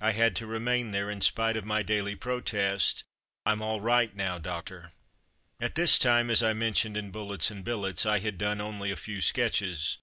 I had to remain there, in spite of my daily protest: "Fm all right now, doctor.'' At this time, as I mentioned in Bullets and Billets^ I had done only a few sketches.